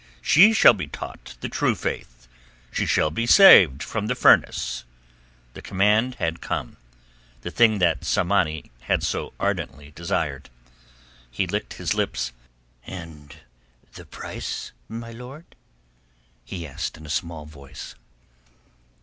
She shall be taught the True Faith. She shall be saved from the furnace." The command had come, the thing that Tsamanni had so ardently desired. He licked his lips. "And the price, my lord?" he asked, in a small voice.